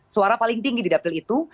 suara paling tinggi di dapil itu